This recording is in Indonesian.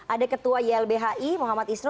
ada ketua ylbhi muhammad isnur